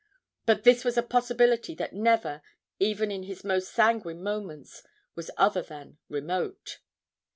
But this was a possibility that never, even in his most sanguine moments, was other than remote.